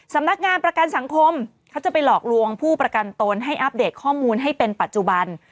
สำนักงานประกันสังคมเขาจะไปหลอกลวงผู้ประกันตนให้อัปเดตข้อมูลให้เป็นปัจจุบัน